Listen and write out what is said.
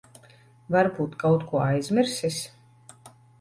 Varbūt kaut ko aizmirsis.